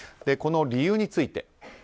この理由について。